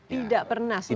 tidak pernah selama ini